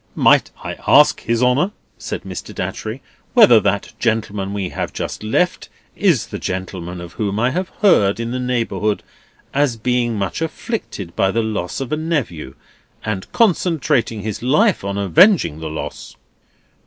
"Might I ask His Honour," said Mr. Datchery, "whether that gentleman we have just left is the gentleman of whom I have heard in the neighbourhood as being much afflicted by the loss of a nephew, and concentrating his life on avenging the loss?"